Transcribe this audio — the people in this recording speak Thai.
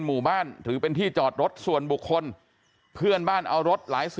หมู่บ้านถือเป็นที่จอดรถส่วนบุคคลเพื่อนบ้านเอารถหลายสิบ